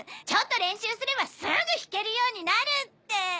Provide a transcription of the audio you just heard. ちょっと練習すればすぐ弾けるようになるって！